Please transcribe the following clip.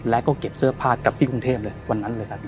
แล้วก็เก็บเสื้อผ้ากลับที่กรุงเทพเลยวันนั้นเลยครับ